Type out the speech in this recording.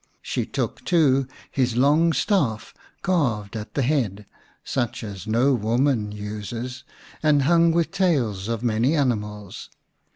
She took, too, his long staff carved at the head, such as no woman uses, and hung with tails of many animals.